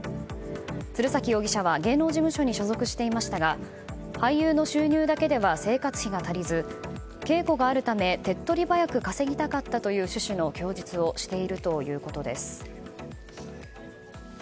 鶴崎容疑者は芸能事務所に所属していましたが俳優の収入だけでは生活費が足りず稽古があるため手っ取り早く稼ぎたかったという趣旨の供述をしているということです。